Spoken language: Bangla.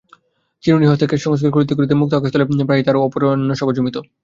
চিরুনি হস্তে কেশসংস্কার করিতে করিতে মুক্ত আকাশতলে প্রায়ই তাহার অপরাহ্নসভা জমিত।